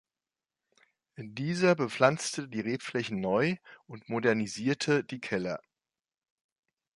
Dieser bepflanzte die Rebflächen neu und modernisierte die Keller.